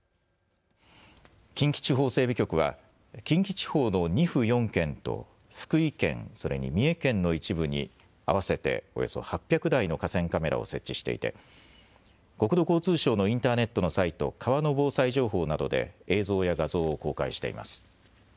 近畿地方整備局は近畿地方の２府４県と福井県、それに三重県の一部に合わせておよそ８００台の河川カメラを設置していて国土交通省のインターネットのサイト、川の防災情報などで映像や画像を公開しています。